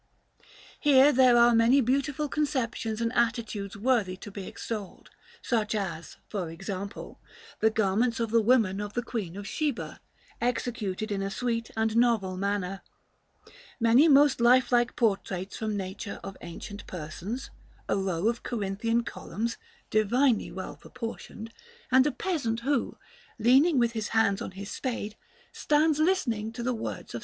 Here there are many beautiful conceptions and attitudes worthy to be extolled; such as, for example, the garments of the women of the Queen of Sheba, executed in a sweet and novel manner; many most lifelike portraits from nature of ancient persons; a row of Corinthian columns, divinely well proportioned; and a peasant who, leaning with his hands on his spade, stands listening to the words of S.